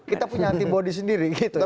kita punya antibody sendiri gitu ya